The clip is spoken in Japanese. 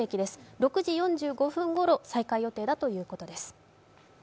６時４５分ごろ再開予定だということです。